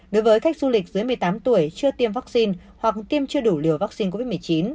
đối với khách du lịch dưới một mươi tám tuổi chưa tiêm vaccine hoặc tiêm chưa đủ liều vaccine covid một mươi chín